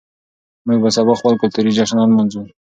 موږ به سبا خپل کلتوري جشن ولمانځو.